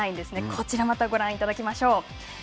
こちら、またご覧いただきましょう。